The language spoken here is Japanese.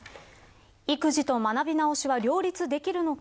育児と学び直しは両立できるのか。